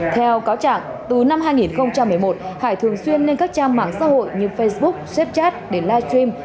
theo cáo trạng từ năm hai nghìn một mươi một hải thường xuyên lên các trang mạng xã hội như facebook zepchat để live stream